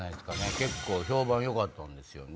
結構評判良かったんですよね。